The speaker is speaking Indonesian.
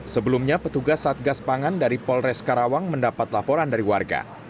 sebelumnya petugas satgas pangan dari polres karawang mendapat laporan dari warga